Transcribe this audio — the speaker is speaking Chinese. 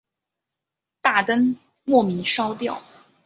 大灯莫名烧掉